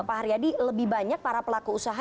pak haryadi lebih banyak para pelaku usaha